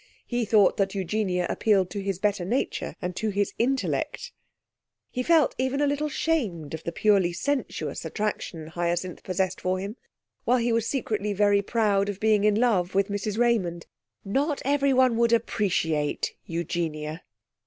He thought that Eugenia appealed to his better nature and to his intellect. He felt even a little ashamed of the purely sensuous attraction Hyacinth possessed for him, while he was secretly very proud of being in love with Mrs Raymond. Not everyone would appreciate Eugenia!